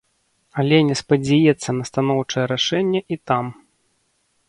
Але не спадзяецца на станоўчае рашэнне і там.